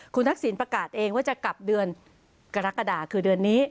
คุณทักษิณประกาศเองว่าจะกลับเดือนกรกฎาคือเดือนนี้